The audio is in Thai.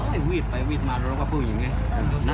หยี่ป่ะ